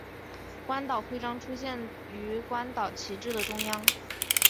关岛徽章出现于关岛旗帜的中央。